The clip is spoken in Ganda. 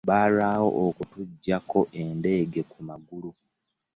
Baalwawo okutuggyako endege ku magulu.